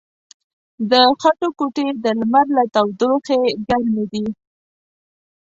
د خټو کوټې د لمر له تودوخې ګرمې دي.